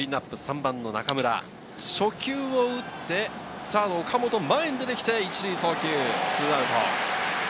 ３番・中村、初球を打って、サード・岡本、前に出てきて１塁送球２アウト。